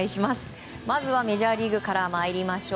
まずメジャーリーグから参りましょう。